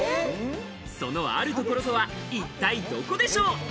そのあるところとは一体どこでしょう？